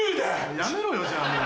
やめろよじゃあもう。